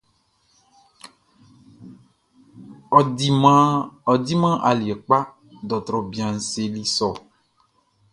Ɔ diman aliɛ kpa, dɔrtrɔ bianʼn seli sɔ.